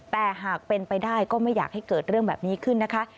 แต่หากเป็นไปได้ก็ไม่อยากให้เกิดเรื่องแบบนี้ขึ้นนะคะ